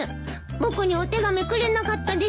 僕にお手紙くれなかったです。